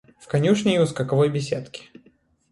В конюшне и у скаковой беседки.